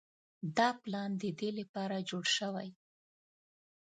دا پلان د دې لپاره جوړ شوی.